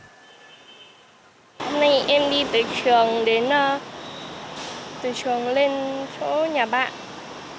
hôm nay em đi từ trường lên chỗ nhà bạn